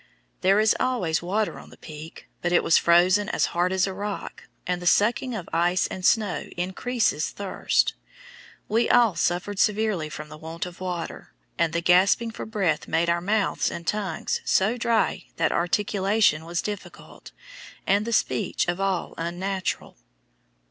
There is always water on the Peak, but it was frozen as hard as a rock, and the sucking of ice and snow increases thirst. We all suffered severely from the want of water, and the gasping for breath made our mouths and tongues so dry that articulation was difficult, and the speech of all unnatural.